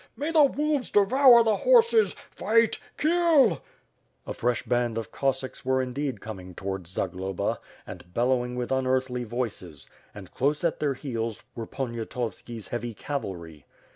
May the wolves devour the horses — fight! kill!" A fresh band of Cossacks were indeed coming towards Zagloba, and bellowing with unearthly voices; and close at their heels were Poniatovski's heavy cavalry.